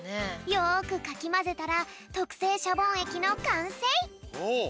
よくかきまぜたらとくせいシャボンえきのかんせい！おお！